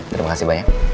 terima kasih banyak